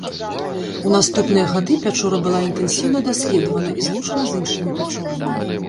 У наступныя гады пячора была інтэнсіўна даследавана і злучана з іншымі пячорамі.